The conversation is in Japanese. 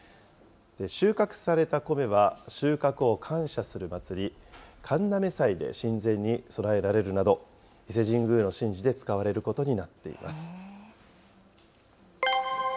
収穫された米は、収穫を感謝する祭り、神嘗祭で神前に供えられるなど、伊勢神宮の神事で使われることになっています。